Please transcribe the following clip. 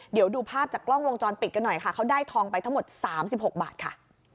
เดี๋ยวดูภาพจากกล้องวงจรปิดกันหน่อยค่ะเขาได้ทองไปทั้งหมด๓๖บาทค่ะ